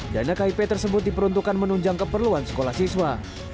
dana kip tersebut diperuntukkan menunjang keperluan sekolah siswa